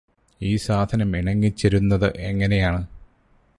ഈ സാധനം ഇണങ്ങിച്ചെരുന്നത് എങ്ങനെയെന്നത്